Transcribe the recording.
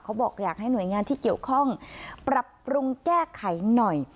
บอกอยากให้หน่วยงานที่เกี่ยวข้องปรับปรุงแก้ไขหน่อย